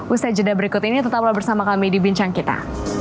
usai jeda berikut ini tetaplah bersama kami di bincang kita